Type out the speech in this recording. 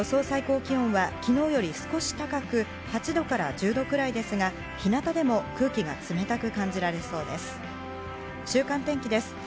最高気温は昨日より少し高く、８度から１０度くらいですが、日なたでも空気が冷たく感じられそうです。